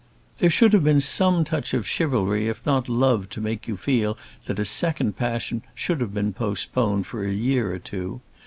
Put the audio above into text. "There should have been some touch of chivalry if not of love to make you feel that a second passion should have been postponed for a year or two.